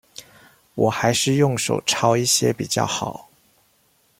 我還是用手抄一些比較好